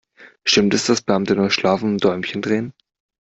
Stimmt es, dass Beamte nur schlafen und Däumchen drehen?